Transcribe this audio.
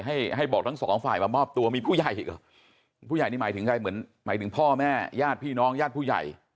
ให้บอกทั้ง๒ฝ่ายมามอบตัวมีผู้ใหญ่เหรอผู้ใหญ่นี่หมายถึงพ่อแม่ญาติพี่น้องญาติผู้ใหญ่